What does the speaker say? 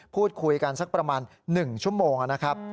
พูดคุยกันสักประมาณ๑ชั่วโมงนะครับ